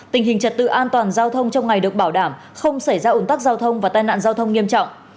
tình hình trật tự an toàn giao thông trong ngày được bảo đảm không xảy ra ủn tắc giao thông và tai nạn giao thông nghiêm trọng